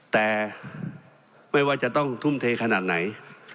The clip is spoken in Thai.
แต่ไม่ว่าจะต้องทุ่มเทขนาดไหน